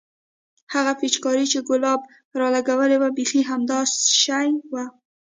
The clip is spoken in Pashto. هغه پيچکارۍ چې ګلاب رالګولې وه بيخي همدا شى وه.